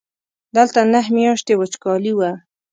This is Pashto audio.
دلته نهه میاشتې وچکالي وه.